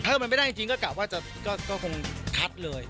ถ้ามันไม่ได้จริงก็กะว่าจะคงคัดเลย